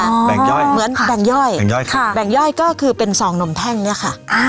แบ่งย่อยเหมือนแบ่งย่อยแบ่งย่อยค่ะแบ่งย่อยก็คือเป็นซองนมแท่งเนี้ยค่ะอ่า